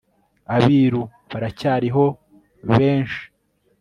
abiru baracyariho bemshi